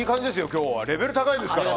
今日はレベル高いですから。